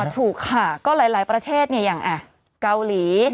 อ้อถูกค่ะก็หลายหลายประเทศเนี่ยอย่างอ่ะเกาหลี